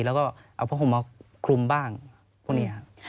แล้วก็เอาผ้าห่มมาคลุมบ้างพวกนี้ครับ